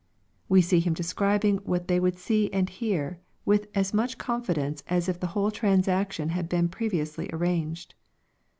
*' We see Him describing what they would see and hear, with as much confidence as if the whole transaction had been previously arranged.